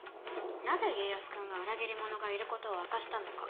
なぜ家康君が裏切り者がいることを明かしたのか？